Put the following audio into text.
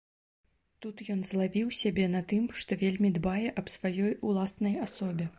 Тут ён злавіў сябе на тым, што вельмі дбае аб сваёй уласнай асобе.